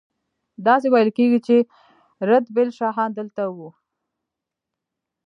داسې ویل کیږي چې رتبیل شاهان دلته وو